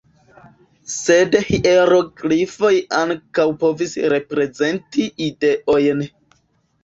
Sed hieroglifoj ankaŭ povis reprezenti "ideojn".